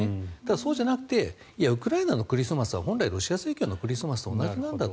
そうじゃなくてウクライナのクリスマスは本来ロシア正教のクリスマスと同じなんだと。